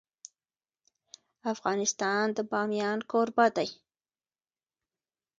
افغانستان د بامیان کوربه دی.